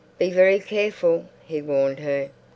"Be very careful," he warned her.